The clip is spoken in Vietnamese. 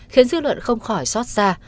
khiến dư luận không khỏi xót xa